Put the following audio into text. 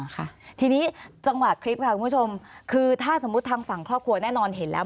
ค่ะทีนี้จังหวะคลิปค่ะคุณผู้ชมคือถ้าสมมุติทางฝั่งครอบครัวแน่นอนเห็นแล้ว